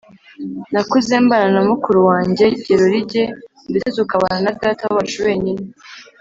nakuze mbana na mukuru wanjye gerorige ndetse tukabana na data wacu wenyine,